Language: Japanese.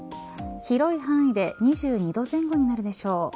広い範囲で２２度前後になるでしょう。